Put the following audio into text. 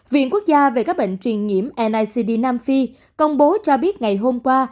viện quốc gia về các bệnh truyền nhiễm nicd nam phi công bố cho biết ngày hôm qua